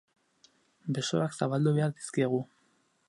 Besoak zabaldu behar dizkiegu.